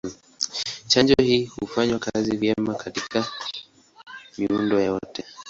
Chanjo hii hufanya kazi vyema hata katika miundo yote.